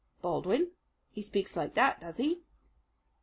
"Baldwin he speaks like that, does he?"